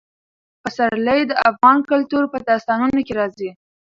پسرلی د افغان کلتور په داستانونو کې راځي.